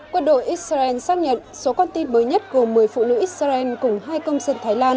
quân đội israel xác nhận số con tin mới nhất gồm một mươi phụ nữ israel cùng hai công dân thái lan